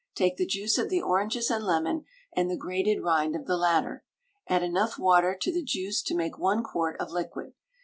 Take the juice of the oranges and lemon and the grated rind of the latter. Add enough water to the juice to make 1 quart of liquid.